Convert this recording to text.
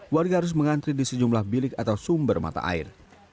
warga harus mengantri di sejumlah bilik atau sumber mata air